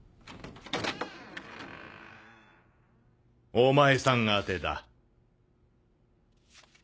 お前さん宛てだ。